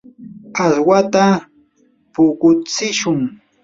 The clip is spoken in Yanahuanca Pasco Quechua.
aswata puqutsishun.